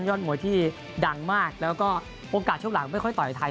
ยอดมวยที่ดังมากแล้วก็โอกาสช่วงหลังไม่ค่อยต่อยไทย